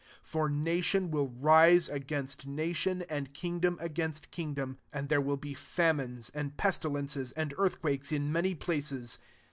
7 For nation will rise against na tion, and kingdom against king dom ; and there will be famines, and pestilences, and earth quakes, in many places.